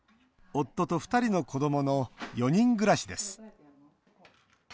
夫と２人の子どもの４人暮らしです。